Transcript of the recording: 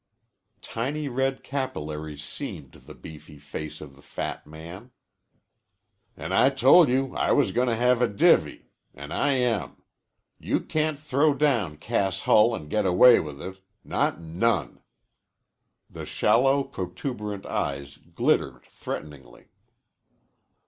Tiny red capillaries seamed the beefy face of the fat man. "An' I told you I was gonna have a divvy. An' I am. You can't throw down Cass Hull an' get away with it. Not none." The shallow protuberant eyes glittered threateningly.